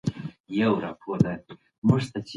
کورني ونې د خلکو ژوند آسانوي.